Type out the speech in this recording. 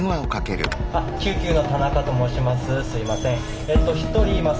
救急の田中と申します。